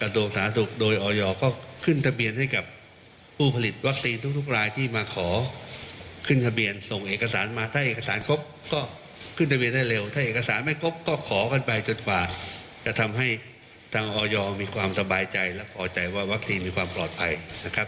ถ้าเอกสารไม่ครบก็ขอกันไปจนกว่าจะทำให้ทางออยมีความสบายใจและปลอดภัยว่าวัคซีนมีความปลอดภัยนะครับ